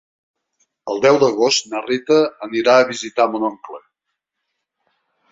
El deu d'agost na Rita anirà a visitar mon oncle.